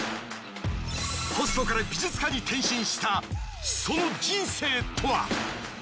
ホストから美術家に転身したその人生とは？